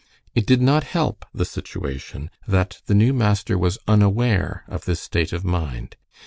It did not help the situation that the new master was unaware of this state of mind.